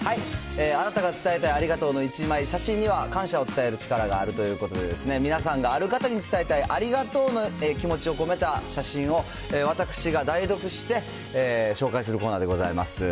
あなたが伝えたいありがとうの１枚、写真には感謝を伝える力があるということで、皆さんがある方に伝えたい、ありがとうの気持ちを込めた写真を、私が代読して、紹介するコーナーでございます。